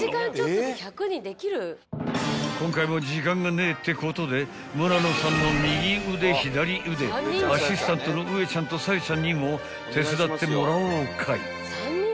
［今回も時間がねえってことで村野さんの右腕左腕アシスタントのウエちゃんとサヨちゃんにも手伝ってもらおうかい］